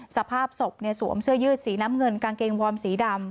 สภาพศพสวมเสื้อยืดสีน้ำเงินกางเกงวอร์มสีดำ